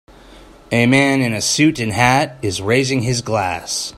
A man in a suit and hat is raising his glass.